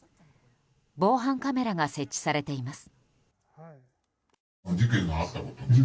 防犯カメラが設置されています。